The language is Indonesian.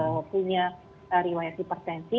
dan punya rewesi penyakit